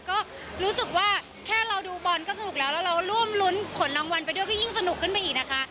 ก็รู้สึกว่าแค่เราดูบอลก็สนุกแล้วแล้วเราร่วมรุ้นผลรางวัลไปด้วยก็ยิ่งสนุกขึ้นไปอีกนะคะ